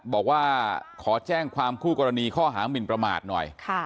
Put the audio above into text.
บอกว่าขอแจ้งความคู่กรณีข้อหามินประมาทหน่อย